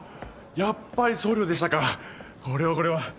やっぱり総領でしたかこれはこれは。